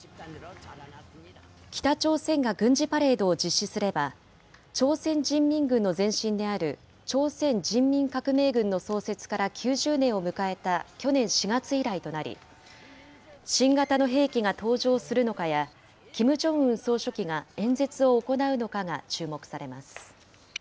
北朝鮮が軍事パレードを実施すれば、朝鮮人民軍の前身である朝鮮人民革命軍の創設から９０年を迎えた去年４月以来となり、新型の兵器が登場するのかや、キム・ジョンウン総書記が演説を行うのかが注目されます。